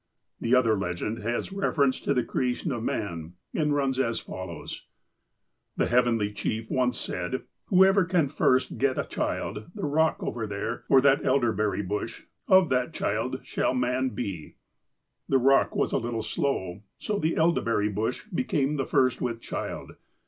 The other legend has reference to the creation of man, and runs as follows :'' The Heavenly Chief once said, whoever can first get a child, the rock over there, or that elderberry bush, of that child shall man be. "The rock was a little slow, so the elderberry bush be came first with child.